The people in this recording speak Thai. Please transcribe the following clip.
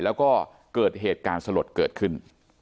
แล้วก็เกิดเหตุการณ์สลดเกิดขึ้น